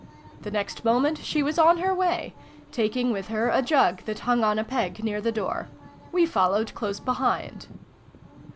The next moment she was on her way, taking with her a jug that hung on a peg near the door : we followed close behind.